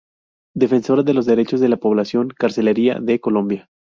Defensora de los derechos de la población carcelaria de Colombia.